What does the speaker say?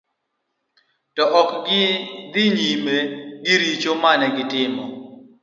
To ok gi dhi nyime gi richo mane gitimo.